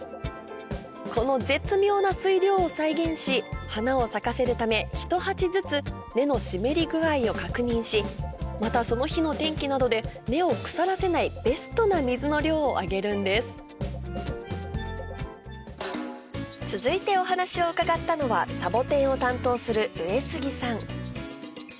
この絶妙な水量を再現し花を咲かせるため１鉢ずつ根の湿り具合を確認しまたその日の天気などで根を腐らせないベストな水の量をあげるんです続いてお話を伺ったのはサボテンを担当する上杉さん